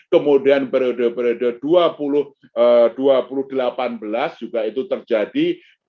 kemudian periode periode dua ribu delapan belas juga itu terjadi